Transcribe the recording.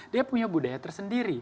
dia punya budaya tersendiri